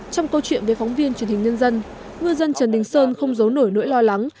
trong câu chuyện với phóng viên truyền hình nhân dân ngư dân trần đình sơn không giấu nổi nỗi lo lắng